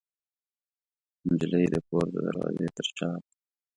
نجلۍ د کور د دروازې تر چاک